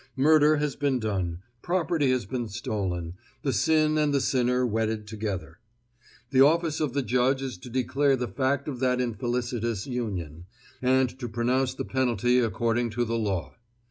Murder has been done, property has been stolen, the sin and the sinner wedded together. The office of the judge is to declare the fact of that infelicitous union, and to pronounce the penalty according to the law.